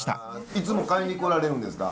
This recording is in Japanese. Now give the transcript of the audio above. いつも買いに来られるんですか？